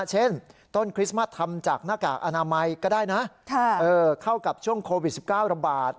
เช่นต้นคริสต์มัสทำจากหน้ากากอนามัยก็ได้นะเข้ากับช่วงโควิด๑๙ระบาด